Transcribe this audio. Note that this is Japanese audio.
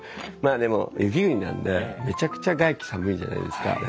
まあでも雪国なんでめちゃくちゃ外気寒いじゃないですか。